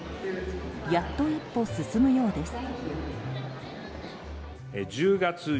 やっと、一歩進むようです。